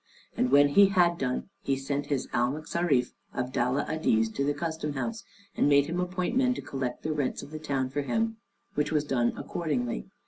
And when he had done, he sent his Almoxarife, Abdalla Adiz, to the custom house, and made him appoint men to collect the rents of the town for him, which was done accordingly.